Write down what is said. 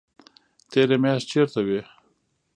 تېره میاشت چیرته وئ؟